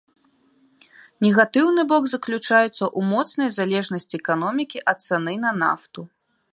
Негатыўны бок заключаецца ў моцнай залежнасці эканомікі ад цаны на нафту.